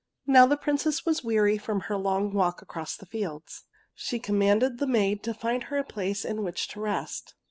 Now the Princess was weary from her long walk across the fields. She commanded the maid to find her a place in which to rest.